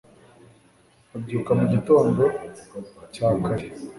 abyuka mu gitondo cya kare